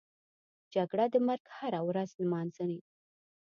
جګړه د مرګ هره ورځ نمانځي